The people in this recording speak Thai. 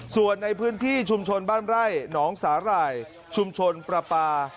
ส่วนในพื้นที่ชุมชนบ้านไร่หนองสาหร่ายชุมชนประปา